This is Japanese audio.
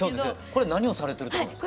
これ何をされてるところですか？